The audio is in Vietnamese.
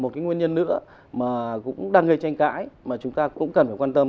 một cái nguyên nhân nữa mà cũng đang gây tranh cãi mà chúng ta cũng cần phải quan tâm